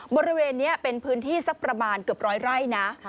บริเวณนี้เป็นพื้นที่สักประมาณเกือบร้อยไร่นะ